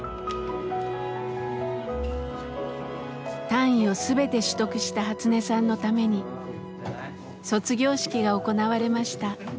単位を全て取得したハツネさんのために卒業式が行われました。